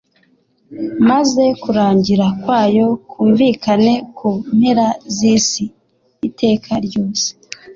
maze kurangira kwayo kumvikane ku mpera z'isi iteka ryose.